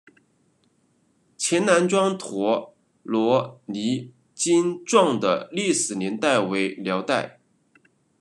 前南庄陀罗尼经幢的历史年代为辽代。